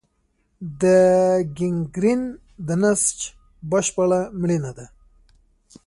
د ګینګرین د نسج بشپړ مړینه ده.